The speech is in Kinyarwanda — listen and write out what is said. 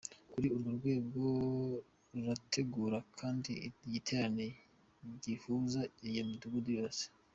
Muri urwo rwego tugategura kandi igiterane gihuza iyo midugudu yose.